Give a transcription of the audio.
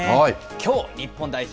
きょう、日本代表